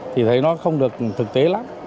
thì thấy nó không được thực tế lắm